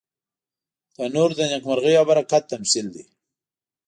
تنور د نیکمرغۍ او برکت تمثیل دی